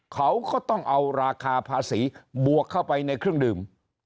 เขาก็ต้องเอาราคาภาษีบวกเข้าไปในเครื่องดื่ม